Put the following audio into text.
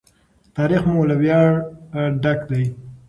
تاریخ مو له ویاړه ډک دی.